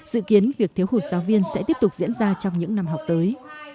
dự kiến việc thiếu hụt giáo viên sẽ tiếp tục diễn ra trong những năm học tới